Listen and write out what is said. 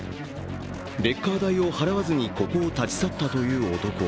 レッカー代を払わずにここを立ち去ったという男。